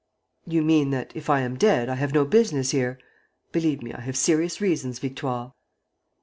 "You mean that, if I am dead, I have no business here. Believe me, I have serious reasons, Victoire."